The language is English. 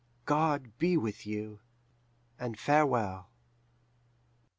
God be with you, and farewell!"